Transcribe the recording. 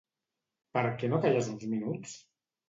Per què no calles uns minuts?